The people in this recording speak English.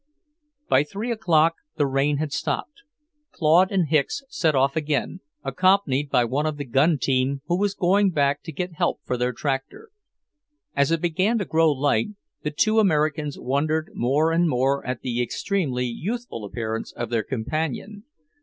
By three o'clock the rain had stopped. Claude and Hicks set off again, accompanied by one of the gun team who was going back to get help for their tractor. As it began to grow light, the two Americans wondered more and more at the extremely youthful appearance of their companion.